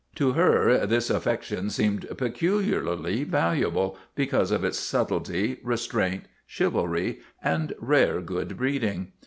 To her this af fection seemed peculiarly valuable because of its subtlety, restraint, chivalry, and rare good breed ing.